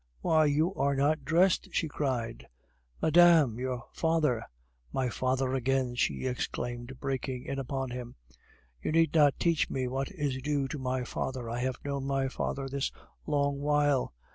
"Why, you are not dressed!" she cried. "Madame, your father " "My father again!" she exclaimed, breaking in upon him. "You need not teach me what is due to my father, I have known my father this long while.